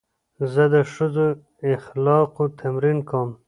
زه د ښو اخلاقو تمرین کوم.